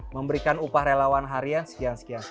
memberikan upah relawan harian sekian sekian